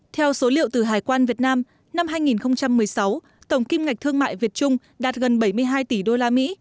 theo số liệu từ hải quan việt nam năm hai nghìn một mươi sáu tổng kim ngạch thương mại việt trung đạt gần bảy mươi hai tỷ usd